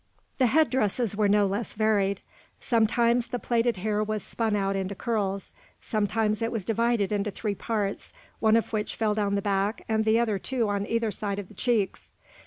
The head dresses were no less varied. Sometimes the plaited hair was spun out into curls; sometimes it was divided into three parts, one of which fell down the back and the other two on either side of the cheeks.